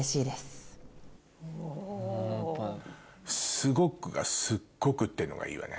「すごく」が「すっごく」ってのがいいわね。